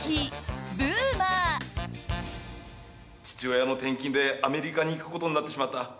父親の転勤でアメリカに行くことになってしまった。